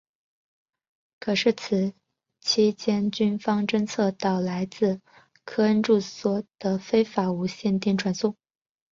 可是此期间军方侦测到来自科恩住所的非法无线电传送。